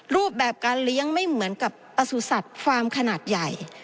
รูปแบบการเลี้ยงไม่เหมือนกับประสุทธิ์สัตว์ฟาร์มขนาดใหญ่